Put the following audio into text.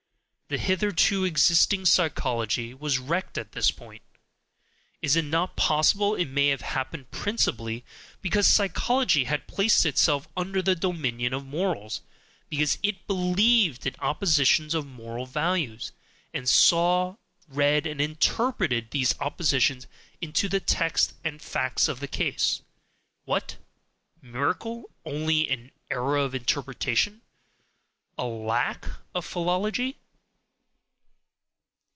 The hitherto existing psychology was wrecked at this point, is it not possible it may have happened principally because psychology had placed itself under the dominion of morals, because it BELIEVED in oppositions of moral values, and saw, read, and INTERPRETED these oppositions into the text and facts of the case? What? "Miracle" only an error of interpretation? A lack of philology?